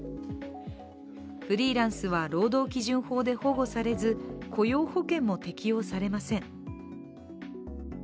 フリーランスは労働基準法で保護されず雇用保険も適用されません。